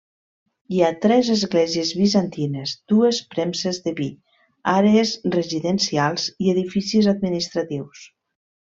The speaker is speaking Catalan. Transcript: Hi ha tres esglésies bizantines, dues premses de vi, àrees residencials i edificis administratius.